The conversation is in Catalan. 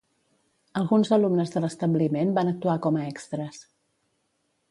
Alguns alumnes de l'establiment van actuar com a extres.